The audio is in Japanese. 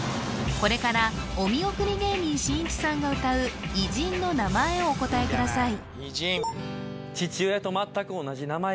これからお見送り芸人しんいちさんが歌う偉人の名前をお答えください